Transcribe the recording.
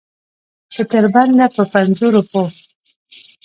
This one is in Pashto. چې تر بنده په پنځو روپو.